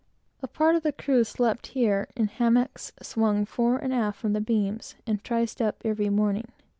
A part of the crew slept here, in hammocks swung fore and aft from the beams, and triced up every morning.